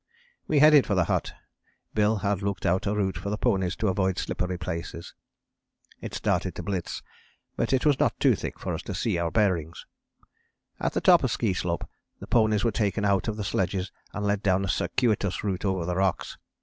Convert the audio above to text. We headed for the hut: Bill had looked out a route for the ponies, to avoid slippery places. It started to bliz, but was not too thick for us to see our bearings. At the top of Ski Slope the ponies were taken out of the sledges and led down a circuitous route over the rocks.